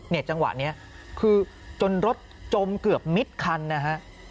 จังหวะนี้คือจนรถจมเกือบมิดคันนะฮะ